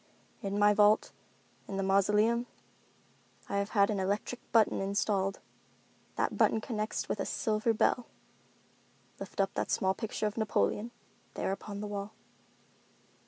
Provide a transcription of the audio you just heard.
"In my vault—in the mausoleum, I have had an electric button installed. That button connects with a silver bell. Lift up that small picture of Napoleon, there upon the wall."